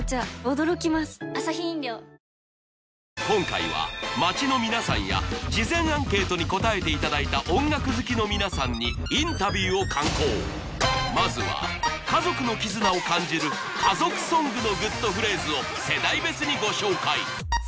今回は街の皆さんや事前アンケートに答えていただいた音楽好きの皆さんにインタビューを敢行まずは家族の絆を感じる家族ソングのグッとフレーズを世代別にご紹介